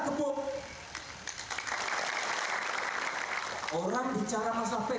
dari pancasila dari uu sarvatingma dari nkri dari kebimintaan kita